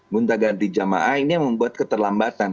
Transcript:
minta ganti jemaah ini yang membuat keterlambatan